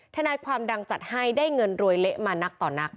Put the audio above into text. ทนายความดังจัดให้ได้เงินรวยเละมานักต่อนัก